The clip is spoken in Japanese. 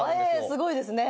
すごいですね。